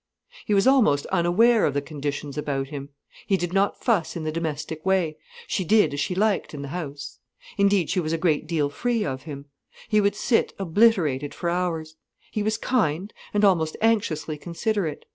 He was almost unaware of the conditions about him. He did not fuss in the domestic way, she did as she liked in the house. Indeed, she was a great deal free of him. He would sit obliterated for hours. He was kind, and almost anxiously considerate.